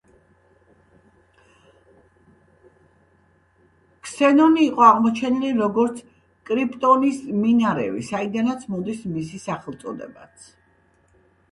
ქსენონი იყო აღმოჩენილი როგორც კრიპტონის მინარევი, საიდანაც მოდის მისი სახელწოდებაც.